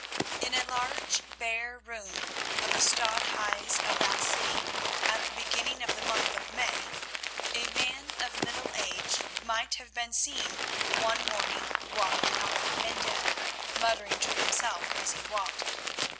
In a large bare room of the Stadthuis of that city, at the beginning of the month of May, a man of middle age might have been seen one morning walking up and down, muttering to himself as he walked.